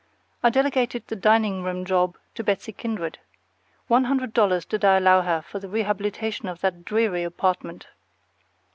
I delegated the dining room job to Betsy Kindred. One hundred dollars did I allow her for the rehabilitation of that dreary apartment.